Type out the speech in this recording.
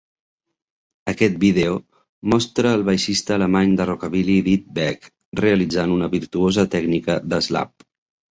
Aquest vídeo mostra el baixista alemany de rockabilly Didi Beck realitzant una virtuosa tècnica de slap.